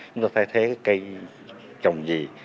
chúng ta thay thế cây trồng gì